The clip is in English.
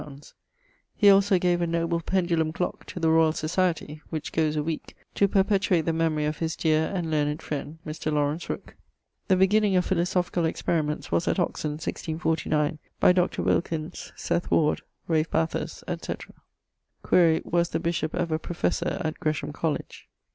_ He also gave a noble pendulum clock to the Royall Societie (which goes a weeke), to perpetuate the memory of his deare and learned friend, Mr. Laurence Rooke. [XCIX.] The beginning of Philosophicall Experiments was at Oxon, 1649, by Dr. Wilkins, Seth Ward, Ralph Bathurst, &c. Quaere, was the bishop ever professor at Gresham College?